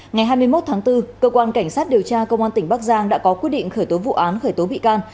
ngày hai mươi một tháng bốn cơ quan cảnh sát điều tra công an tỉnh bắc giang đã có quyết định khởi tố vụ án khởi tố bị can